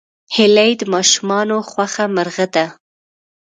هیلۍ د ماشومانو خوښ مرغه ده